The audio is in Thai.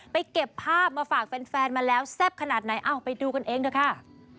เก็บภาพมาฝากแฟนมาแล้วแซ่บขนาดไหนเอาไปดูกันเองเถอะค่ะ